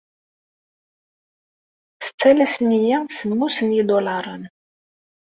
Tettalasem-iyi semmus n yidulaṛen.